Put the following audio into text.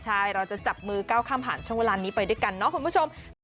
ใช่เราจะจับมือก้าวข้ามผ่านช่วงเวลานี้ไปด้วยกันเนาะคุณผู้ชม